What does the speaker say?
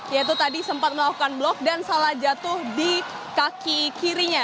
yaitu tadi sempat melakukan blok dan salah jatuh di kaki kirinya